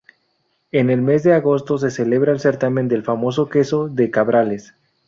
En el mes de agosto se celebra el certamen del famoso queso de Cabrales.